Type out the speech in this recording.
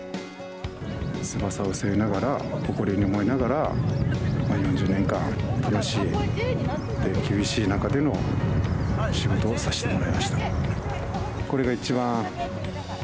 翼を背負いながら、誇りに思いながら、４０年間、楽しい、厳しい中での仕事をさせてもらいました。